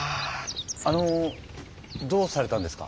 あのどうされたんですか？